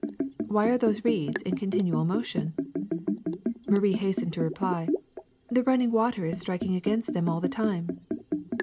Why are those reeds in continual motion !'' Marie hastened to reply: ''The running water is striking against them all the time.